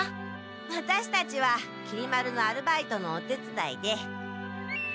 ワタシたちはきり丸のアルバイトのおてつだいで。